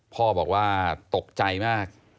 พ่อบอกว่าตกใจมาก